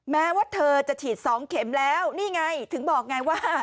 แม้ว่าเธอจะฉีด๒เข็มแล้วนี่ไงถึงบอกไงว่า